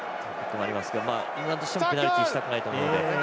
イングランドとしてもペナルティしたくないと思うので。